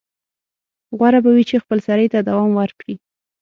غوره به وي چې خپلسرۍ ته دوام ورکړي.